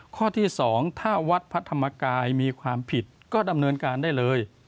ข้อที่๒ถ้าวัดพระธรรมกายมีความผิดก็ดำเนินการได้เลย